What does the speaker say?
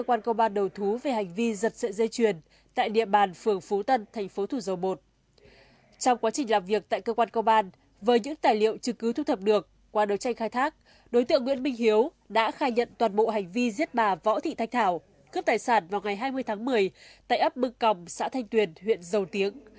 cướp tài sản vào ngày hai mươi tháng một mươi tại ấp bưng còng xã thanh tuyền huyện dầu tiếng